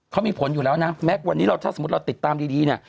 เขามีผลอยู่แล้วนะแม้วันนี้เราถ้าสมมุติเราติดตามดีเนี่ย